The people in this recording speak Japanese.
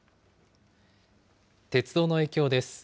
鉄道の影響です。